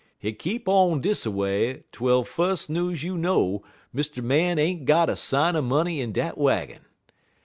"Hit keep on dis a way twel fus' news you know Mr. Man ain't got a sign er money in dat waggin.